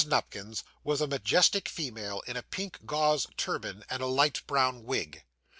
Nupkins was a majestic female in a pink gauze turban and a light brown wig.